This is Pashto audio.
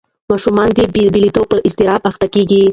ماشومان د بېلېدو پر اضطراب اخته کېږي.